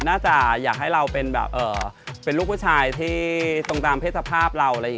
น่าจะอยากให้เราเป็นลูกผู้ชายที่ตรงตามเพศภาพเรา